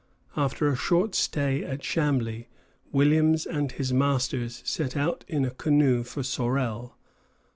After a short stay at Chambly, Williams and his masters set out in a canoe for Sorel.